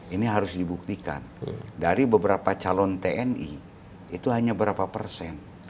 ini harus dibuktikan dari beberapa calon tni itu hanya berapa persen